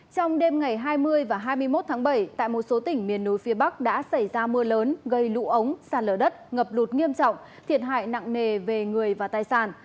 trong đêm ngày hai mươi và hai mươi một tháng bảy tại một số tỉnh miền núi phía bắc đã xảy ra mưa lớn gây lũ ống sạt lở đất ngập lụt nghiêm trọng thiệt hại nặng nề về người và tài sản